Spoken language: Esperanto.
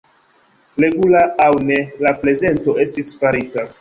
Regula aŭ ne, la prezento estis farita.